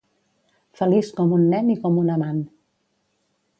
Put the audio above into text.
Feliç com un nen i com un amant.